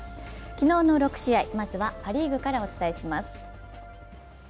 昨日の６試合、まずはパ・リーグからお伝えします。